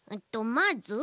まず？